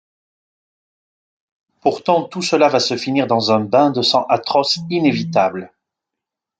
Pourtant tout cela va se finir dans un bain de sang atroce inévitable.